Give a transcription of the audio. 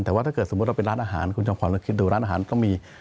แต่ว่าถ้าเกิดสมมติเราเป็นร้านอาหารคุณชอบความคิดดูร้านอาหารต้องมี